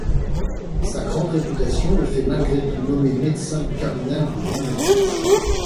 Sa grande réputation le fait malgré tout nommer médecin du cardinal de Bouillon.